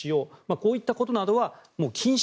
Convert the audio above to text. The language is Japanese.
こういったことなどは禁止。